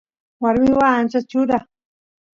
warmi waa ancha chura